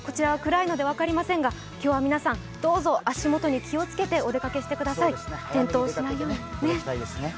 暗いので分かりませんが、今日は皆さん、どうぞ足元に気をつけてお出かけしてください、転倒しないように。